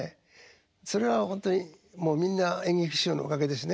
それはほんとにもうみんな圓菊師匠のおかげですね。